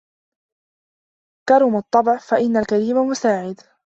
كَرَمُ الطَّبْعِ فَإِنَّ الْكَرِيمَ مُسَاعِدٌ